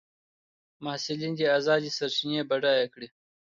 محصلین دي ازادې سرچینې بډایه کړي.